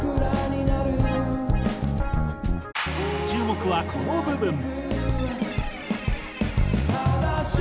注目はこの部分。